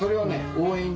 応援に。